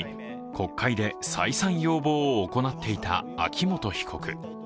国会で再三要望を行っていた秋本被告。